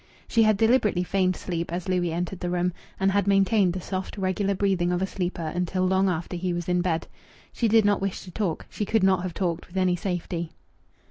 She had deliberately feigned sleep as Louis entered the room, and had maintained the soft, regular breathing of a sleeper until long after he was in bed. She did not wish to talk; she could not have talked with any safety.